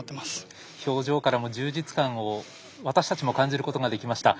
表情からも充実感を私たちも感じることができました。